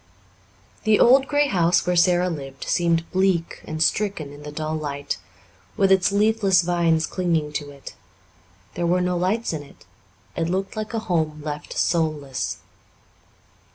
The old grey house where Sara lived seemed bleak and stricken in the dull light, with its leafless vines clinging to it. There were no lights in it. It looked like a home left soulless.